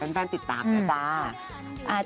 ฝากฝ่ายติดตามเลยจ้ะ